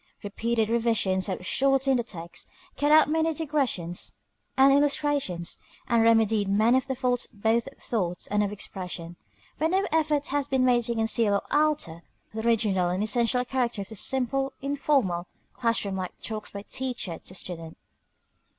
Repeated revisions have shortened the text, cut out many digressions and illustrations, and remedied many of the faults both of thought and of expression; but no effort has been made to conceal or alter the original and essential character of the simple, informal, class room talks by teacher to student.